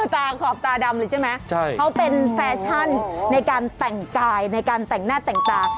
ตาขอบตาดำเลยใช่ไหมเขาเป็นแฟชั่นในการแต่งกายในการแต่งหน้าแต่งตา